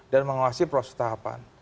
dan menguasai proses tahapan